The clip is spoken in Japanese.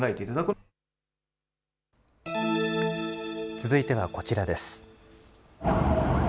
続いてはこちらです。